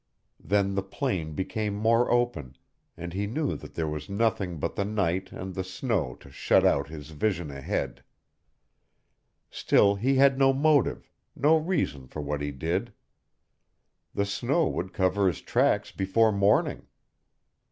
Then the plain became more open, and he knew that there was nothing but the night and the snow to shut out his vision ahead. Still he had no motive, no reason for what he did. The snow would cover his tracks before morning.